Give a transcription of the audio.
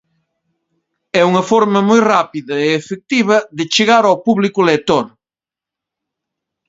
É unha forma moi rápida e efectiva de chegar ao público lector.